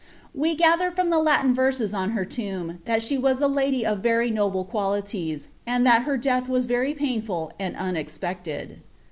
We gather from the Latin Terses on her tomb, that she was a lady of very noble qualities, and that her death was very painful and unexpected.'